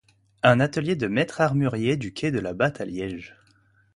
Un atelier de maître armurier du quai de la Batte à Liège.